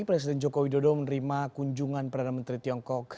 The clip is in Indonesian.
presiden jokowi dodo menerima kunjungan perdana menteri tiongkok